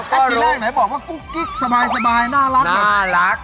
จีน่างไหนบอกว่ากุ๊กกิ๊กสบายน่ารัก